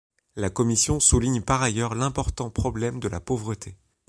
La Commission souligne par ailleurs l'important problème de la pauvreté.